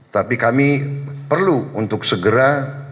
tapi kami perlu untuk segera